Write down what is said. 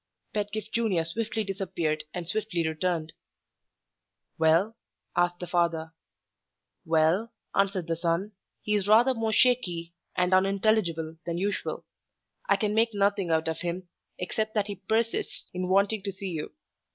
Pedgift Junior swiftly disappeared and swiftly returned. "Well?" asked the father. "Well," answered the son, "he is rather more shaky and unintelligible than usual. I can make nothing out of him, except that he persists in wanting to see you.